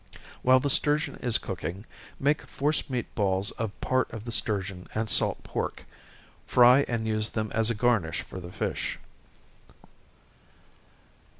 While the sturgeon is cooking, make force meat balls of part of the sturgeon and salt pork fry and use them as a garnish for the fish.